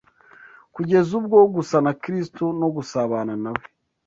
kugeza ubwo gusa na Kristo no gusabana na We